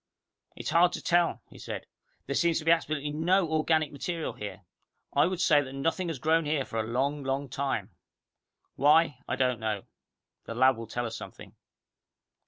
"It's hard to tell," he said. "There seems to be absolutely no organic material here. I would say that nothing has grown here for a long, long time. Why, I don't know. The lab will tell us something."